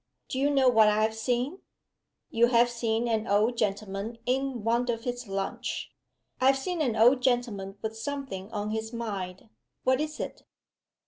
"Do you know what I have seen?" "You have seen an old gentleman in want of his lunch." "I have seen an old gentleman with something on his mind. What is it?"